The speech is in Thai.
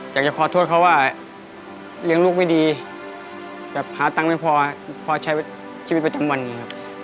อยากจะขอโทษเขาว่าเลี้ยงลูกไม่ดีแบบหาตังค์ไม่พอใช้ชีวิตไปทั้งวันนี้ครับ